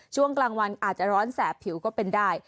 ช่วงกลางวันอาจจะร้อนแสบผิวก็เป็นได้